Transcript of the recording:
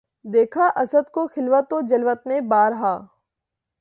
دیکھا اسدؔ کو خلوت و جلوت میں بار ہا